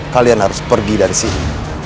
kalian harus pergi dari sini